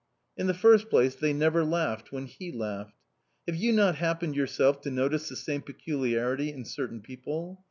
In the first place, they never laughed when he laughed. Have you not happened, yourself, to notice the same peculiarity in certain people?...